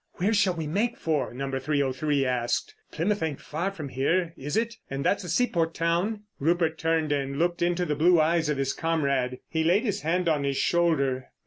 "Where shall we make for?" No. 303 asked. "Plymouth ain't far from here, is it; and that's a seaport town?" Rupert turned and looked into the blue eyes of his comrade. He laid his hand on his shoulder.